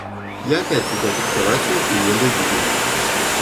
Я опять сидел под кроватью и не был виден.